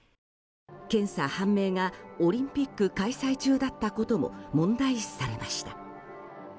検査判明がオリンピック開催中だったことも問題視されました。